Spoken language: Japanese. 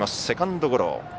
セカンドゴロ。